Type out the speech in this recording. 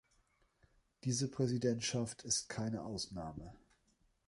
Diese Präsidentschaft ist keine Ausnahme.